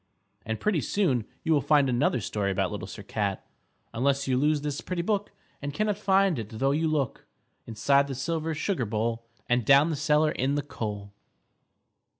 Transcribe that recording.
_ And pretty soon you will find another story about Little Sir Cat _Unless you lose this pretty book And cannot find it tho' you look Inside the silver sugar bowl And down the cellar in the coal.